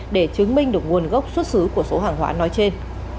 để chứng minh được nguồn gốc xuất xứ của số hàng hóa nói trên